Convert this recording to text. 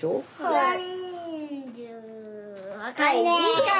はい。